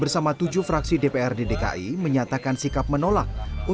selamat pagi kalian